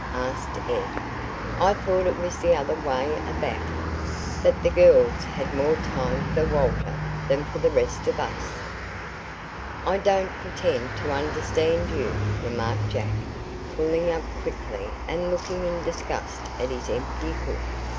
asked Ed. "I thought it was the other way about. That the girls had more time for Walter than for the rest of us." "I don't pretend to understand you," remarked Jack, pulling up quickly and looking in disgust at his empty hook.